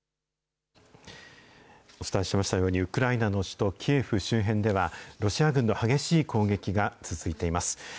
お伝えしましたように、ウクライナの首都キエフ周辺では、ロシア軍の激しい攻撃が続いています。